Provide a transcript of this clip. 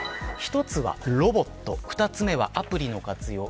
１つはロボット２つ目はアプリの活用